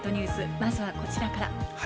まずはこちらから。